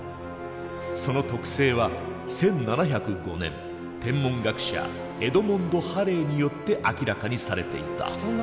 その特性は１７０５年天文学者エドモンド・ハレーによって明らかにされていた。